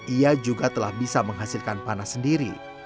ia juga telah bisa menghasilkan panas sendiri